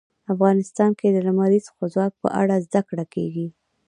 افغانستان کې د لمریز ځواک په اړه زده کړه کېږي.